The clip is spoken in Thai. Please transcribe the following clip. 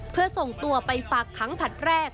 เพื่อส่งตัวไปฝากขังผลัดแรก